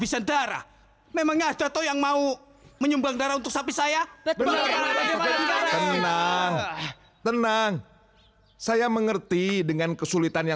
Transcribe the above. sampai jumpa di video selanjutnya